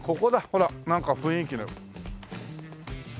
ほらなんか雰囲気の。